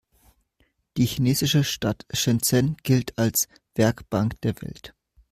Die chinesische Stadt Shenzhen gilt als „Werkbank der Welt“.